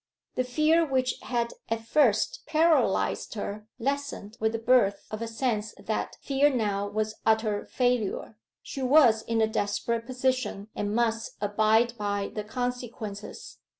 The fear which had at first paralyzed her lessened with the birth of a sense that fear now was utter failure: she was in a desperate position and must abide by the consequences.